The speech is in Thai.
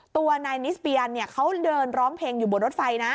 ตัวนายนิสเปียันเนี่ยเขาเดินร้องเพลงอยู่บนรถไฟนะ